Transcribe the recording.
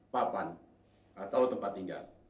papan atau tempat tinggal